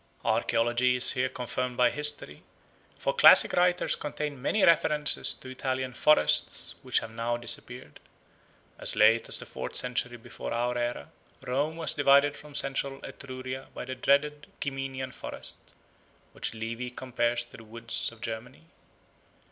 Archaeology is here confirmed by history; for classical writers contain many references to Italian forests which have now disappeared. As late as the fourth century before our era Rome was divided from central Etruria by the dreaded Ciminian forest, which Livy compares to the woods of Germany.